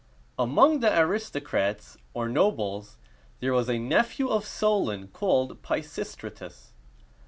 Among the aristocrats, or nobles, there was a nephew of Solon called Pi sis´tra tus.